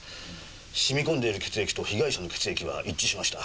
染み込んでいる血液と被害者の血液が一致しました。